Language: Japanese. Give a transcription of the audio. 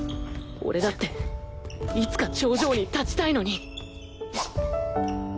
俺だっていつか頂上に立ちたいのに